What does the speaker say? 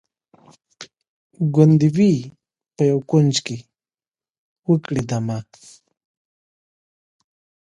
ګوندي وي په یوه کونج کي وکړي دمه